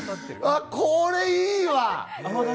これいいわ！